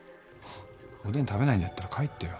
おでん食べないんだったら帰ってよ。